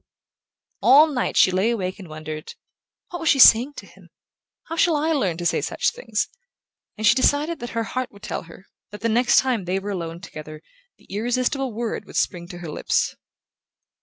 All night she lay awake and wondered: "What was she saying to him? How shall I learn to say such things?" and she decided that her heart would tell her that the next time they were alone together the irresistible word would spring to her lips.